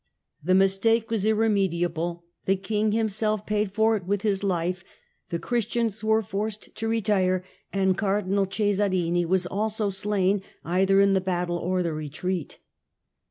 The mistake was irremediable. The King himself paid for it with his life, the Christians were forced to retire, and Cardinal Cesarini was also slain either in the battle or the retreat.